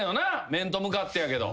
面と向かってやけど。